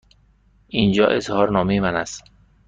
اینجا اظهارنامه من است.